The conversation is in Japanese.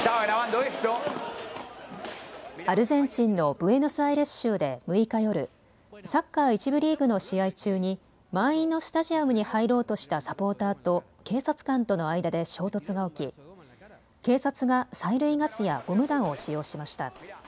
アルゼンチンのブエノスアイレス州で６日夜、サッカー１部リーグの試合中に満員のスタジアムに入ろうとしたサポーターと警察官との間で衝突が起き警察が催涙ガスやゴム弾を使用しました。